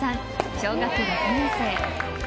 小学６年生。